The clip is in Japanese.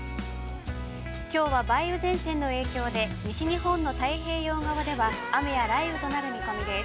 きょうは梅雨前線の影響で西日本の太平洋側では、雨や雷雨となる見込みです。